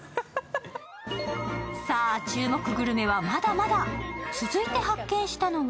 さぁ、注目グルメはまだまだ続いて発見したのは